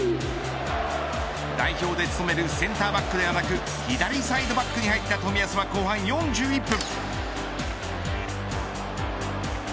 代表で務めるセンターバックではなく左サイドバックに入った冨安は後半４１分。